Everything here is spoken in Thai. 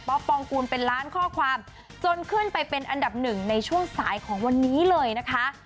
ปองกูลเป็นล้านข้อความจนขึ้นไปเป็นอันดับหนึ่งในช่วงสายของวันนี้เลยนะคะ